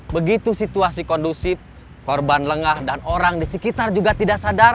begitu situasi kondusif korban lengah dan orang di sekitar juga tidak sadar